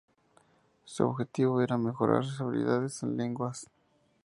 Su objetivo era mejorar sus habilidades en lenguas.